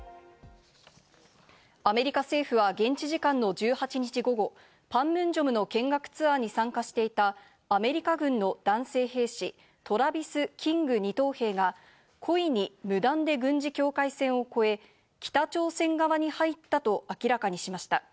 アメリカ政府は現地時間の１８日午後、パンムンジョムの見学ツアーに参加していたアメリカ軍の男性兵士トラビス・キング２等兵が、故意に無断で軍事境界線を越え、北朝鮮側に入ったと明らかにしました。